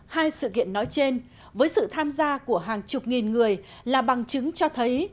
hai sự kiện nói trên với sự tham gia của hàng chục nghìn người là bằng chứng cho thấy